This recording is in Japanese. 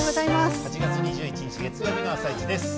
８月２１日月曜日の「あさイチ」です。